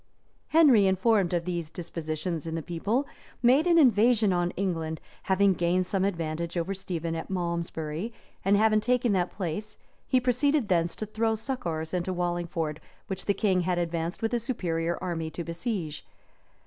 {1153.} Henry, informed of these dispositions in the people, made an invasion on England: having gained some advantage over Stephen at Malmsbury, and having taken that place, he proceeded thence to throw succors into Wallingford, which the king had advanced with a superior army to besiege.